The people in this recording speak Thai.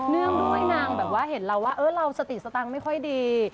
เนื่องด้วยนางแบบว่าเห็นเราว่าเราสติสตังค์ไม่ค่อยดี